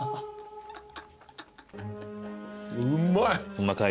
うまい。